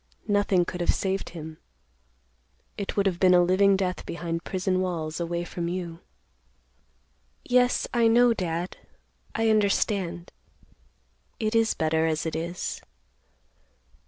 Nothing could have saved him. It would have been a living death behind prison walls away from you." "Yes, I know, Dad. I understand. It is better as it is.